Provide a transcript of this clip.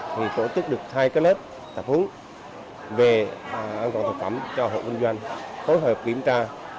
thì tổ chức được hai cái nét tập hướng về an toàn thực phẩm cho hội vinh doanh phối hợp kiểm tra